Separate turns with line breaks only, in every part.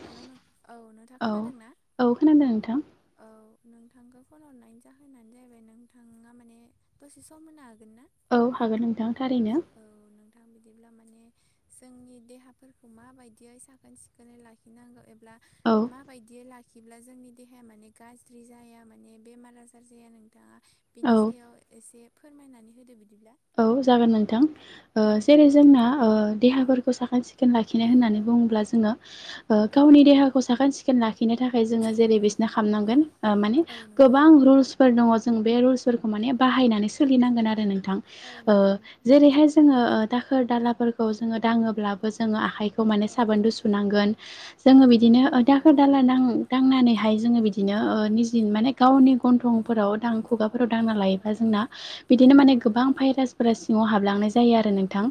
हेल' नों औ नोंथां
औ
खोन्थादों ना
औ खोनादों नोंथां
औ नोंथांखौ फन हरनायनि जाहोनानो जाहैबाय नोंथाङा माने दसे सम होनो हागोन ना
औ हागोन नोंथां थारैनो
औ नोंथां बिदिब्ला माने जोंनि देहाफोरखौ माबायदियै साखोन सिखोनै लाखिनांगौ एब्ला
औ
माबायदि लाखिब्ला जोंनि देहाया माने गाज्रि जाया माने बेमार आजार जाया नोंथाङा
औ
बिनि सायाव एसे फोरमायनानै होदो बिदिब्ला
औ जागोन नोंथां ओ
औ
जेरै जोंना ओ देहाफोरखौ साखोन सिखोन लाखिनाय
औ
होननानै बुङोब्ला जोङो ओ
औ
गावनि
नंगौ
देहाखौ साखोन सिख खोन लाखिनो थाखाय जोङो जेरै
औ
बायदिसिना खालामनांगोन माने
औ नंगौ
गोबां रुलस दङ जों बे रुलस फोरखौ बाहायनानै सोलिनांगोन आरो नोंथां
औ नंगौ नोंथां
जेरैहाय जोङो दाखोर दालाफोरखौ जोङो दाङोब्लाबो जोङो आखाइखौ खौ माने
औ
साबोन दो सुनांगोन
औ
जोङो बिदिनो
नंगौ
दा दाखोर दाला दांनानैहाय जोङो बिदिनो निजि माने गावनि गन्थंफोराव दांख खुगाफोराव दांना
औ
लायोबा जोंना बिदिनो माने
औ
गोबां भाइरासफोरा सिङाव हाबलांनाय जायो आरो नोंथां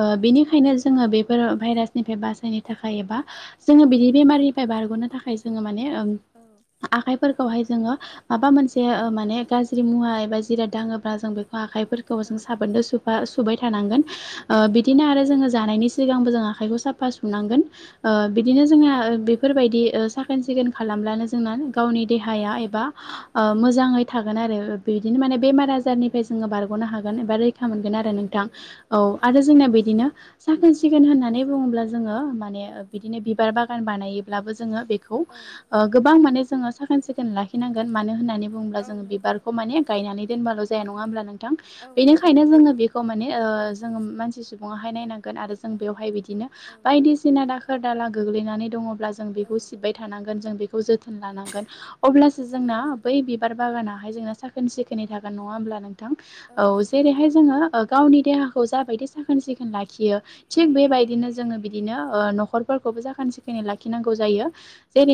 औ नंगौ
बेनिखायनो जोङो बेफोर भाइरासनिफ्राय बासायनो थाखाय एबा जोङो बिदि
औ
बेमारनिफ्राय बार'नो थाखाय जोङो माने
औ
आखायफोरखौहाय जोङो मा मोनसे
औ
जे माने गाज्रि मुवा एबा जिराद दाङोब्ला जों बेखौ आखाइफोरखौ
औ
जों साबोनजों सु साफा सुबाय थानांगोन
औ
बिदिनो आरो
नंगौ
जोङो जानायनि सिगांबो जों आखाइखौ साफा सुफा नांगोन
औ
बिदिनो जोंना
नंगौ
बेफोरबायदि साखोन सिखोन खालामब्लानो जोंना गावनि
औ
देहाया एबा मोजाङै थागोन आरो बिदिनो माने बेमार
औ
आजारनिफ्राय जोङो बारग हागोन एबा रैखा मोनगोन
औ
आरो नोंथां
नंगौ
औ आरो
नंगौ
जोंना
नोंथां
बिदिनो साखोन सिखोन होननानै बुङोब्ला जोङो माने
औ
बिदिनो बिबार बागान बानायोब्लाबो जोङो बेखौ
औ
गोबां माने जोङो साखोन सिखोन लाखिनांगोन मानो होननानै बुंब्ला
औ
जों
नंगौ
बिबारखौ माने गायनानै दोनबाल'
औ
जाया नङा होनबा नोंथां
औ नंगौ
बेनिखायनो
नंगौ
जोङो बे खौ माने जों मानसि सुबुङाहाय नायनांगोन आरो जों बेयावहाय बिदिनो
औ
बायदिसिना दाखोर खोर दाला गोग्लैनानै दङब्ला जों
औ
बेखौ सिबबाय थानांगोन जों बेखौ जोथोन लानांगोन अब्ला
औ
जोंना
नंगौ
बै बिबार बागानाहाय जोंना साखोन सिखोनै थागोन नङा होमब्ला नों औ
नंगौ नोंथां
जेरैहाय जोङो गावनि देहाखौ जाबायदि साखोन सिखोन लाखियो थिग
औ
बेबायदिनो जोङो बिदिनो न'खर फोरखौबो जाखोन सिखोनै लाखिनांगौ जायो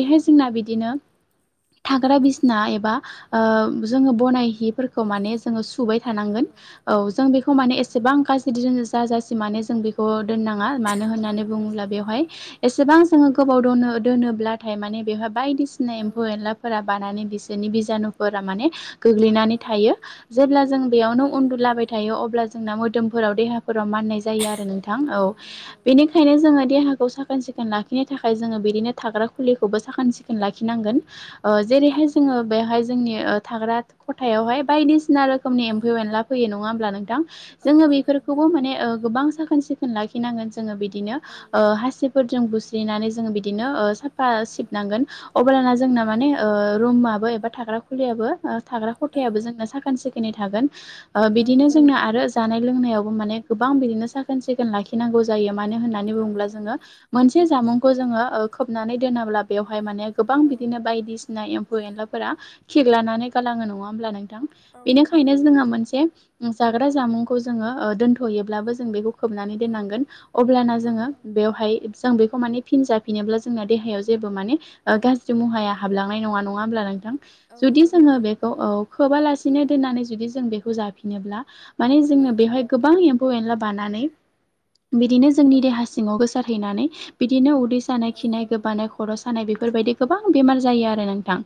औ नंगौ
जोंना बिदिनो थाग्रा बिसना एबा
औ
जोङो बनायहिफोरखौ माने जोङो सुबाय
औ
थानांगोन
नंगौ
औ जों बेखौ
औ
माने
नंगौ
एसेबां गाज्रि जाजासिम माने जों बेखौ दोन नाङा मानो
औ
होननानै बुङोब्ला बेवहाय एसेबां जोङो गोबाव दनो दोनोब्लाथाय माने बेवहाय बायदिसिना
औ
एम्फौ एनला फोरा बानानै बिसोरनि बिजानुफोरा माने गोग्लैनानै थायो। जेब्ला जों बेयावनो
औ नंगौ
उन्दुलाबाय
नोंथां
थायो अब्ला जोंना मोदोमफोराव देहाफोराव माननाय जायो आरो नोंथां। थां औ बेनि खायनो जोङो देहाखौ साखोन सिखोन लाखिनो थाखाय जोङो बिदिनो थाग्रा खुलिखौबो साखोन सिखोन लाखिनांगोन। ओ
औ
जेरैहाय जोङो
नंगौ
बेहाय जोंनि ओ थाग्रा खथायावहाय बायदिसिना रोखोमनि
औ
एम्फौ एनला फैयो नङा ओमब्ला नोंथां
औ
जोङो
नंगौ नोंथां
बेफोरखौबो माने गोबां साखोन सिखोन लाखिनांगोन। जोङो बिदिनो
औ
ओ हासिबफोरजों बुस्रिनानै जोङो बिदिनो ओ साफा
औ
सिबनांगोन। अब्लाना जोंना
औ
माने ओ
नंगौ
रुमाबो एबा थाग्रा खुलिबो ओ थाग्रा
औ
खथायाबो जोंना सा साखोन सिखोननै थागोन ओ
औ
बिदिनो
नंगौ
जोंना आरो जानाय लोंनायावबो माने गोबां बिदिनो साखोन सिखोन लाखिनांगौ जायो मानो होननानै
औ
बुङोब्ला जोङो
नंगौ
मोनसे जामुंखौ जोङो ओ खोबनानै दोनाब्ला बेवहाय माने गोबां बिदिनो
औ
बायदिसिना एम्फौ एनलाफोरा खिलानानै गालाङो नङा ओमब्ला नोंथां।
औ नंगौ
बेनिखायनो
नोंथां
जोङो मोनसे जाग्रा जामुंखौ जोङो ओ दथ'योबोब्लाबो बेखौ खोबनानै
औ
दोननांगोन अब्लाना
औ
जोङो
नंगौ
बेवहाय जों बेखौ माने फिन जाफिनोब्ला जोंना देहायाव जेबो माने गाज्रि
औ
मुहाया हाबला नाय नङा नङा ओमब्ला नोंथां
औ
जुदि
नंगौ
जोङो
नोंथां
बेखौ खोबा लासि नो दोननानै जुदि जों बेखौ जाफिनोब्ला माने
औ
जोंनो बेहाय गोबां एम्फौ एनला बानानै बिदिनो
औ
जोंनि
नंगौ
देहा सि ङाव गोसारहैनानै बिदिनो उदै सानाय
औ
खिनाय गोबानाय खर' सानाय बेफोरबायदि गोबां बेमार जायो आरो नोंथां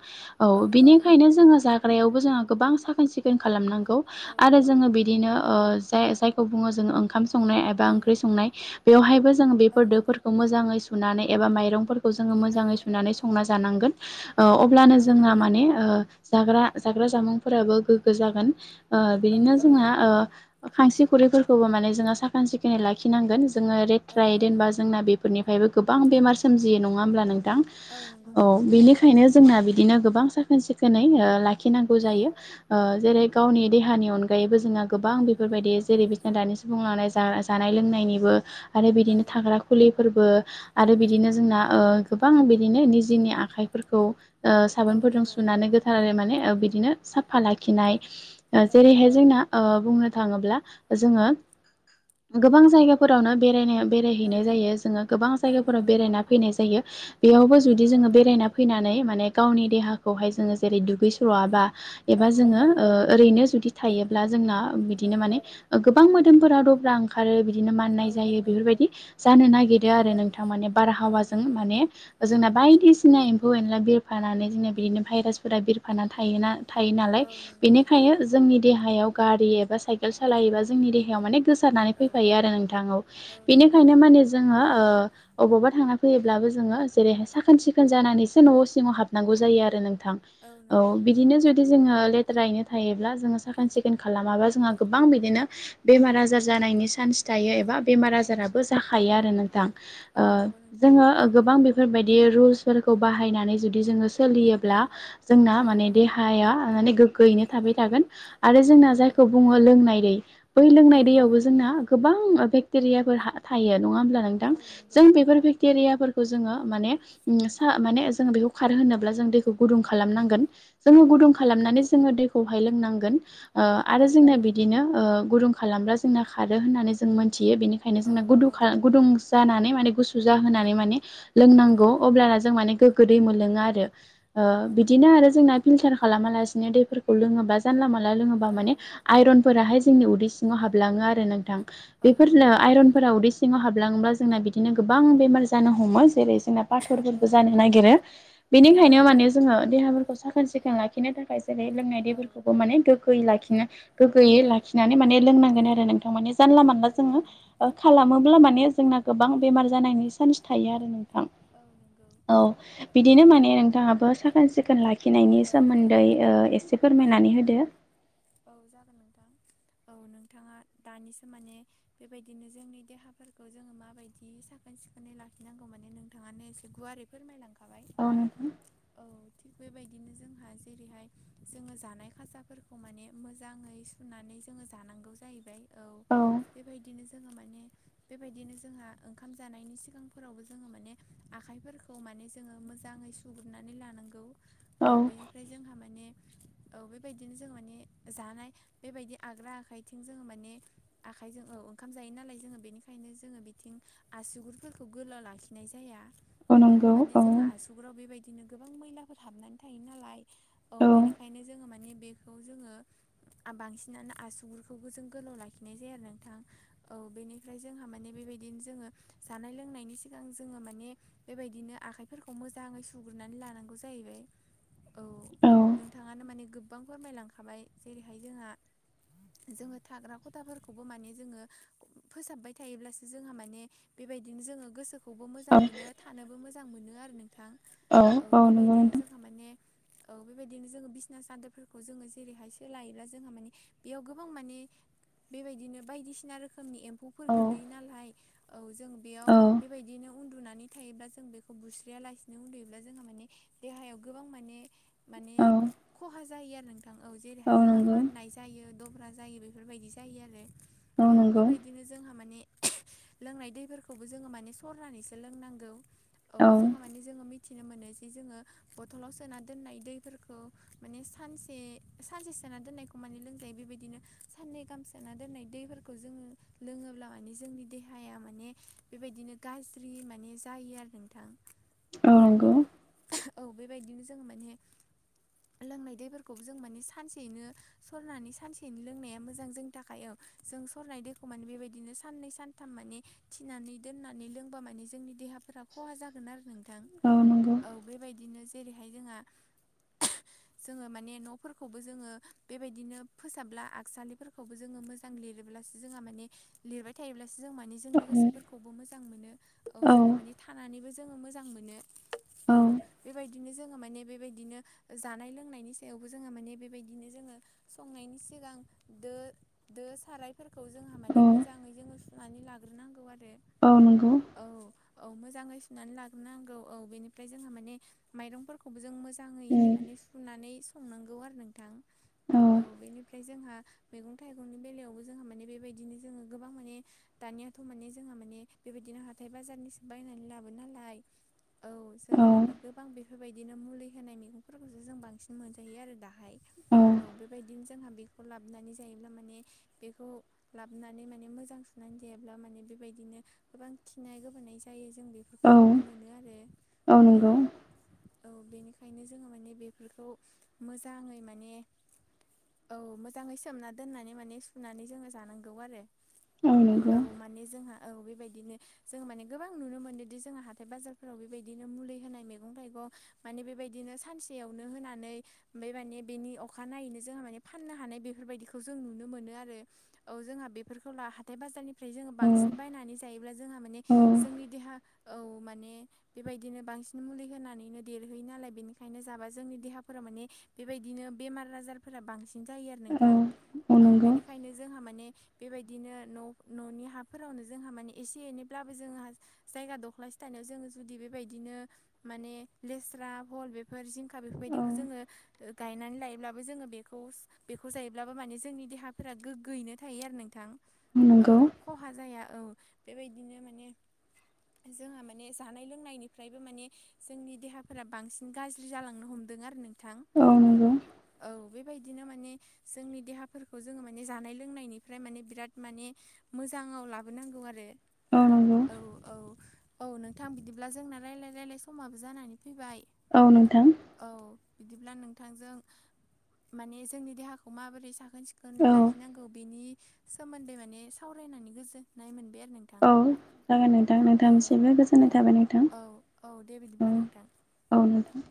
औ बिनिखायनो जोङो जा थाग्रायावबो जोङा गोबां साखोन सिखोन खालामनांगौ
औ
आरो जोङो बि बिदिनो ओ जाय जायखौ बुङो जोङो ओंखाम संनाय एबा
औ
ओंख्रि संनाय। बेवहायबो जोङो
औ
बेफोर
नंगौ
दोफोरखौ मोजाङै सुनानै एबा माइरंफोरखौ जोङो
औ
मोजाङै सुनानै संना जानांगोन ओ अब्लानो
औ
जोंना
नंगौ
माने ओ जाग्रा जाग्रा जामुंफोराबो गोग्गो जागोन ओ
औ
बिदिनो
नंगौ
जोंना ओ खांसि खुरैफोरखौबो माने जोङो साखोन सिखोनै लाखिनांगोन जोङो
औ
लेथ्राइ
नंगौ
दोनबा जोंना बे फोरनिफ्रायबो गोबां बेमार सोमजियो नङा ओमब्ला नोंथां
नंगौ
औ
नोंथां
बेनि खायनो जोंना बिदिनो गोबां साखोन सिखोनै लाखिनांगौ
औ
जायो। ओ जेरै गावनि देहानि अनगायैबो जोंहा गोबां
औ
बेफोरबायदि जेरै दानि सुबुं लांनाय जानाय लोंनायनिबो आरो
औ
बिदिनो थाग्रा खुलिफोरबो आरो बिदिनो जोंना ओ गोबां बिदिनो निजेनि आखाइफोरखौ ओ
औ
साबोनफोरजों
नंगौ
सुनानै गो जानानै माने ओ बिदिनो साफा लाखिनाय ओ
औ
जेरैहाय जोंना ओ बुंनो थाङोब्ला जोङो गोबां जायगाफोरावनो बेरायनायाव बेराय
औ
हैनाय जायो जोङो गोबां
औ
जायगाफोराव
नंगौ
बेरायना फैनाय जायो बेयावबो जुदि
नंगौ
जोङो बेरायना फैनानै माने गावनि देहाखौहाय जोङो जेरै दुगै स्रबा
औ
एबा
औ
जोङो ओ ओरैनो जुदि थायोब्ला जोंना
औ
बिदिनो माने गोबां मोदोमफोरा दब्रा ओ खारो बिदिनो
औ
माननाय जायो
नंगौ
बेफोरबायदि जानो नागिरो
औ
आरो नोंथां माने
औ
बारहावाजों
नंगौ
माने
नोंथां औ
जोंना बायदिसि ना एम्फौ एनला बिरफानानै जोंना बिदिनो भाइरासफोरा बिरफाना थायोना। थायो नालाय
औ नंगौ नोंथां
बेनिखायनो जोंनि देहायाव गारि एबा साइ केल सालायोबा जोंनि देयाव माने गोसारनानै
औ
फैफायो आरो नोंथां औ बेनिखायनो माने जोङो ओ अबावबा थांना फैयोब्लाबो जोङो जेरैहाय साखोन सिखोन जानानैसो न' सिङाव हाबनांगौ जायो आरो नोंथां। औ बिदिनो जुदि जोङो लेथ्रायैनो थायोब्ला जोङो साखोन सिखोन खालामाबा जोङा गोबां बिदिनो बेमार आजार जानायनि चान्स थायो एबा बेमार आजाराबो जाखायो आरो नोंथां।
औ
ओ
नंगौ नोंथां
जोङो गोबां बेफोरबायदि रुल्सफोरखौ बाहायनानै जुदि जोङो
औ
सोलियोब्ला जोंना
औ
माने देहा या माने गोग्गोयैनो
औ
थाबाय थागोन आरो
औ
जोंना
नंगौ
जायखौ बुङो लोंनाय दै बै लोंनाय
औ नंगौ
दैयावबो जोंना गोबां बेक्टेरियाफोर हा थायो नङा ओमब्ला नोंथां
औ नंगौ
जों
नंगौ
बेफोर बेक्टेरियाफोरखौ जोङो माने सा माने जों बेखौ खारो होनोब्ला जों दैखौ गुदुं खालामनांगोन जोङो गुदुं
औ
खालामनानै
नंगौ
जोङो दैखौहाय लोंनांगोन ओ आरो
औ
जोंना
नंगौ
बिदिनो ओ गुदुं खालामब्ला जोंना खारो होननानै जों मोनथियो बेनि ओंखायनो
औ
जोंना गुदुं
औ
खाला गुदुं जानानै माने गुसु जाहोनानै माने
औ
लोंनांगौ
नंगौ
अब्लाना जों माने गोग्गो दै मोनलोङो आरो
औ नंगौ
बिदिनो आरो जोंना फिल्टार खालामालासिनो दैफोरखौ लोङोबा जानला मानला लोङोबा
औ
माने आइरनफोराहाय जोंनि उदै सिङाव
औ औ
हाबलाङो आरो नोंथां
औ
बेफोर
नंगौ
जोंना
नोंथां
आइरनफोरा उदै सिङाव हाबलाङोब्ला जोंना बिदिनो गोबां बेमार जानो हमो जेरै जोंना
औ
पाथरफोरबो जानो नागिरो
नंगौ
बेनिखायनो
नोंथां
माने जोङो देहाफोरखौ साखोन सिखोन लाखिनो थाखाय जेरै लोंनाय
औ
दैफोरखौबो माने गोग्गोयै लाखिनो गोगोयै
औ
लाखिनानै माने लोंनांगोन आरो नोंथां माने जानला मानला
औ
जोङो
नंगौ नोंथां
खालामोब्ला माने जोंना गोबां बेमार जानायनि चान्स थायो आरो नोंथां
औ नंगौ
औ बिदिनो माने नोंथाङाबो साखोन सिखोन लाखिनायनि
औ
सोमोन्दै ओ एसे
औ
फोरमायनानै होदो
औ जागोन नोंथां औ नोंथाङा दानिसो माने बेबायदिनो जोंनि देहाफोरखौ जोङो माबायदि साखोन सिखोनै लाखिनांगौ माने नोंथाङानो एसे गुवारै फोरमायलांखाबाय
औ नोंथां
औ थिग बेबायदिनो जोंहा जेरैहाय जोङो जानाय खाजाफोरखौ माने मोजाङै सुनानै जोङो जानांगौ जाहैबाय औ
औ
बेबायदिनो जोङो माने बेबायदिनो जोंहा ओंखाम जानायनि सिगांफोरावबो जोङो माने आखाइफोरखौ माने जोङो मोजाङै सुग्रोरनानै लानांगौ औ बेनिफ्राय जोंहा माने औ बेबायदिनो जों माने जानाय बेबायदि आग्रा आखाइथिं जोङो माने आखाइजों औ ओंखाम जायो नालाय जोङो बेनिखायनो जोङो बेथिं आसुगुरफोरखौ गोलाव लाखिनाय जाया औ माने जोंहा आस सुगुराव बेबायदिनो गोबां मैलाफोर हाबनानै थायो नालाय औ बेनि जोङो माने बेखौ जोङो बांसिनानो आसुगुरखौबो जों गोलाव लाखिनाय जाया आरो नोंथां औ बेनिफ्राय जोंहा माने बेबायदिनो जोङो जानाय लोंनायनि सिगां जोङो माने बेबायदिनो आखाइफोरखौ मोजाङै सुग्रोननानै लानांगौ जाहैबाय औ
औ
नोंथाङानो माने गोबां फोरमायलांखाबाय जेरैहाय जोंहा जोङो थाग्रा खथाफोरखौबो माने जोङो फोसाबबाय थायोब्लासो जोंहा माने बेबायदिनो जोङो गोसो खौबो मोजां मोनो थानोबो मोजां मोनो आरो नोंथां औ बेबायदिनो जों थामाने औ बेबायदि बिदिनो जोङो बिसना सादोरफोरखौ जोङो जेरैहाय सोलायोब्ला जोंहा माने बेयाव गोबां माने बेबायदिनो बायदिसिना रोखोमनि एम्फौफोर
नोंथां
गोलैयो नालाय औ जों बेयाव
औ
बेबायदिनो उन्दुनानै थायोब्ला जों बेखौ बुस्रिया लासिनो उन्दुयोब्ला जोंहा माने देहायाव गोबां माने माने
औ
खहा जायो आरो नोंथां औ जेरैहाय
औ
जोंहा
नंगौ
माननाय जायो दब्रा जायो बेफोरबायदि जायो आरो औ बेबायदिनो जोंहा माने लोंनाय दैफोरखौबो जोङो माने सरनानैसो लोंनांगौ औ जोंहा माने जोङो मिथिनो मोनो जे जोङो बथलाव सोना दोननाय दै फोरखौ माने सानसे सानसे सोना दोननायखौ माने लोंजायो बेबायदिनो साननै गाम सोना दोननाय दैफोरखौ जोङो लोङोब्ला माने जोंनि देहाया माने बेबायदिनो गाज्रि माने जायो आरो नोंथां औ औ बेबायदिनो जोङो माने लोंनाय दैफोरखौबो जों माने सानसेयैनो सरनानै सानसेयैनो लोंनाया मोजां जोंनि थाखाय औ जों सरनाय दैखौ माने बेबायदिनो साननै सानथाम माने थिनानै दोननानै लोंबा माने जोंनि देहा फोरा खहा जागोन आरो नोंथां
औ नंगौ
औ बेबायदिनो जेरैहाय जोंहा जोङो माने न'फोरखौबो जोङो बेबायदिनो फोसाबला आगसालिफोरखौबो जोङो मोजां मोजां लिरोब्लासो जोंआ माने लिरनाय थायोब्लासो जों मा ने
औ
जोंनि गोसोफोरखौबो मोजां मोनो औ जोंहा माने थानानैबो जोङो मोजां मोनो औ बेबायदिनो जोहा माने बेबायदिनो जानाय लोंनायनि सायावबो जोहा माने बेबायदिनो जोङो संनायनि सिगां दो दो सारायफोरखौ जोंहा
औ
माने मोजाङै जोङो सुनानै लाग्रोनांगौ आरो
औ नंगौ।
औ औ मोजाङै सुनानै लाग्रोनांगौ औ बेनिफ्राय जोंहा माने माइरंफोरखौबो जों मोजाङै
औ
हाय माने सुनानै संनांगौ आरो नोंथां औ बेनि फ्राय जोंहा मैगं थाइगंनि बेलायावबो जोंहा माने बेबायदिनो जोङो गोबां माने दानियाथ' माने जोंहा माने बेबायदिनो हाथाय बाजारनिसो बायनानै लाबो नालाय औ
औ
जोङो माने गोबां बेफोरबायदिनो मुलि होनाय मैगंफोरखौसो जों बांसिन मोनजायो आरो दा। बाहाय औ बेबायदिनो जोंहा बेखौ लाबोनानै जायोब्ला माने बेखौ लाबोनानै माने मोजां सुनानै जायाब्ला माने बेबायदिनो गोबां खिनाय गोबोनाय जायो जों बे बेखौ नुनो मोनो आरो औ औ बेनिखायनो जोङो माने बेफोरखौ मोजाङै माने औ मोजाङै सोमना दोननानै माने सुनानै जोङो जानांगौ आरो। औ माने जोंहा औ बेबायदिनो जों माने गोबां नुनो मोन्दोंदि जों हाथाय बाजारफ्राव बेबायदिनो मुलि होनाय मैगं थाइगं माने बेबायदिनो सानसेयावनो होनानै बे माने बेनि अखानायनायैनो जोंहा माने फाननो हानाय बेफोरबायदिखौ जों नुनो मोनो आरो औ जोंहा बेफोरखौ ला हाथाय बाजारनि फ्राय जोङो
औ
बांसिन बायनानै जायोब्ला जोंहा माने जोंनि देहा औ माने बेबायदिनो बांसिन मुलि होनानैनो देरहोयो नालाय बेनिखायनो ओंखायनो जाबा जोंनि देहाफोरा माने बेबायदिनो बेमार आजारफोरा बांसिन [unintelligible] जायो आरो
औ
नोंथां औ बेनिखायनो जोंहा माने बेबायदिनो न' न'नि हाफोरावनो जोंहा माने एसे एनैब्लाबो जोंहा जायगा दख्लासे थायनायाव जोङो जुदि बेबायदिनो माने लेस्रा भल बे फोर जिंखा
औ
बेफोरबायदिखौ जोङो गायनानै लायोब्लाबो जोङो बेखौ बेखौ जायोब्लाबो माने जोंनि देहा फोरा गोग्गोयैनो थायो आरो नोंथां। औ
नंगौ
खहा जाया औ बेबायदिनो माने जोंहा माने जानाय लोंनायनिफ्रायबो माने जोंनि देहाफोरा बांसिन गाज्रि जालांनो हमदों आरो नोंथां।
औ नंगौ।
औ बेबायदिनो माने जोंनि देहाफोरखौ जोङो माने जानाय लोंनायनिफ्राय माने बिराद माने मोजाङाव लाबो बो नांगौ आरो
औ नंगौ
औ औ औ नोंथां बिदिब्ला जोंना रायलाय रायलाय समाबो जानानै फैबाय
औ नोंथां।
औ बिदिब्ला नोंथांजों माने जोंनि देहाखौ माबोरै साखोन सिखोन खोन
औ
लाखिनांगौ बेनि सोमोन्दै माने सावरायनानै गोजोननाय मोनबाय आरो नों?
औ जागोन नोंथां नोंथांसिमबो गोजोननाय थाबाय नोंथां।
औ औ दे बिदिब्ला
औ
नोंथां
औ नोथां।